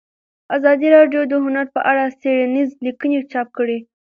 ازادي راډیو د هنر په اړه څېړنیزې لیکنې چاپ کړي.